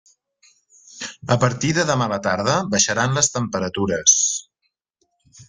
A partir de demà a la tarda baixaran les temperatures.